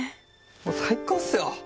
もう最高っすよ。